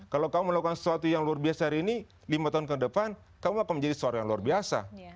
kalau kamu melakukan sesuatu yang luar biasa hari ini lima tahun ke depan kamu akan menjadi sesuatu yang luar biasa